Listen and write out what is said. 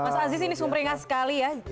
mas aziz ini sumber ingat sekali ya